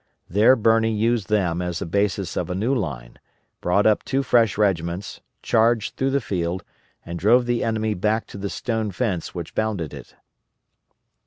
There Birney used them as a basis of a new line, brought up two fresh regiments, charged through the field, and drove the enemy back to the stone fence which bounded it.